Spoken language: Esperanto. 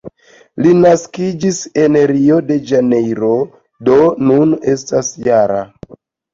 Li naskiĝis en Rio-de-Ĵanejro, do nun estas -jara.